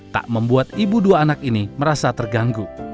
tak membuat ibu dua anak ini merasa terganggu